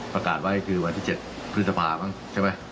ประกาศไว้คือวันที่๗พฤษภาบ้างใช่ไหม